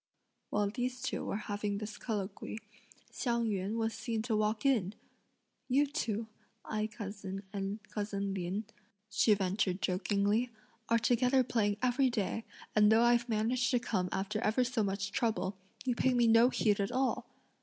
While these two were having this colloquy, Hsiang yün was seen to walk in! "You two, Ai cousin and cousin Lin," she ventured jokingly, "are together playing every day, and though I've managed to come after ever so much trouble, you pay no heed to me at all!"